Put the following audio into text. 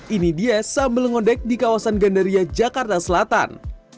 ini dia sambal ngodek di kawasan gandaria jakarta selatan